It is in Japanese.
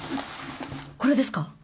これですか？